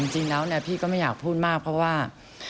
จริงแล้วพี่ก็ไม่อยากพูดมากเพราะว่า